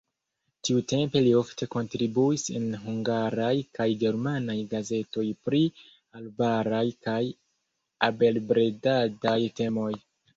Tiutempe li ofte kontribuis en hungaraj kaj germanaj gazetoj pri arbaraj kaj abelbredadaj temoj.